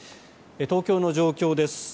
東京の状況です。